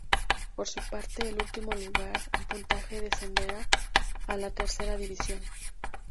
Por su parte, el último lugar en puntaje descenderá a la Tercera División.